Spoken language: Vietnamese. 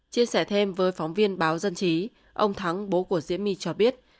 chia sẻ thêm với phóng viên báo dân trí ông thắng bố của diễm my cho biết